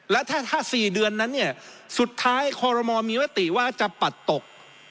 และถ้า๔เดือนนั้นเนี่ยสุดท้ายคอรมอลมีมติว่าจะปัดตก